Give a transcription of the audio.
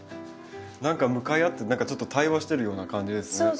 何か向かい合ってちょっと対話してるような感じですね。